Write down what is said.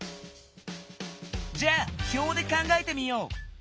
じゃあ表で考えてみよう！